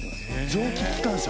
蒸気機関車？